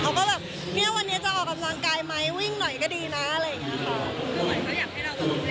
เขาก็แบบเนี่ยวันนี้จะออกกำลังกายไหมวิ่งหน่อยก็ดีนะอะไรอย่างเงี้ยค่ะ